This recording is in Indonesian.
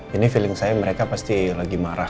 ini feeling saya mereka pasti lagi marah